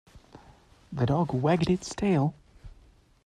The dog wagged its tail.